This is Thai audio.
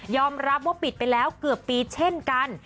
รับว่าปิดไปแล้วเกือบปีเช่นกัน